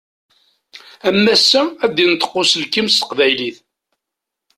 Am wassa ad d-inṭeq uselkim s teqbaylit.